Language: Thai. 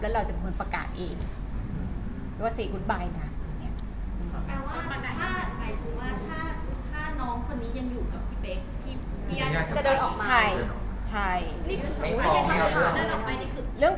แล้วเราจะมันประกาศเอง